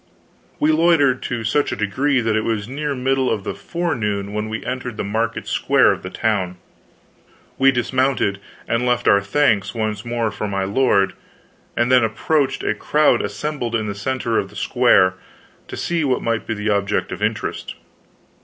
We loitered to such a degree that it was near the middle of the forenoon when we entered the market square of the town. We dismounted, and left our thanks once more for my lord, and then approached a crowd assembled in the center of the square, to see what might be the object of interest.